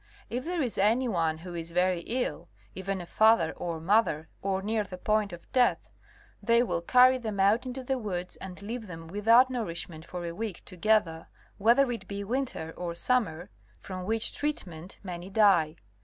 If there is any one who is very ill, even a father or mother, or near the point of death, they will carry them out into the woods and leave them without nourishment for a week together whether it be winter or summer, from which treatment many die.